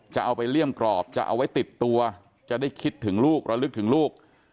จะเอาไปเลี่ยมกรอบจะเอาไว้ติดตัวจะได้คิดถึงลูกระลึกถึงลูก